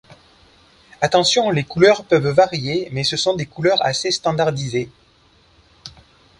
Attention les couleurs peuvent varier mais ce sont des couleurs assez standardisées.